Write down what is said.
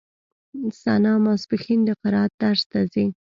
ثنا ماسپښين د قرائت درس ته ځي.